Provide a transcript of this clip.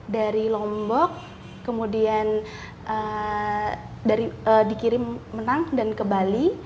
dari lombok kemudian dikirim menang dan ke bali